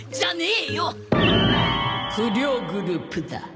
不良グループだ！